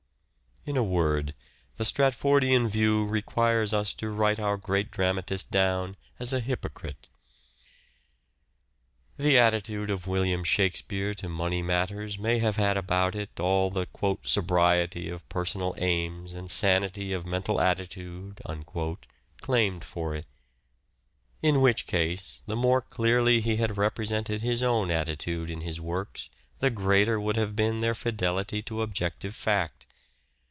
In a word, the Stratfordian view requires us to write our great dramatist down as a hypocrite. The attitude of William Shakspere to money matters may have had about it all the " sobriety of personal aims and sanity of mental attitude " claimed for it. In which case, the more clearly he had represented his own attitude in his works the greater would have been their fidelity to objective fact.